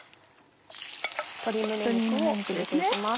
鶏胸肉を入れて行きます。